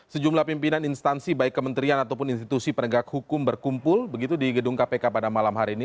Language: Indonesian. sejumlah pimpinan instansi baik kementerian ataupun institusi penegak hukum berkumpul begitu di gedung kpk pada malam hari ini